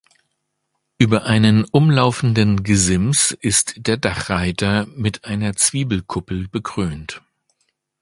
Über einem umlaufenden Gesims ist der Dachreiter mit einer Zwiebelkuppel bekrönt.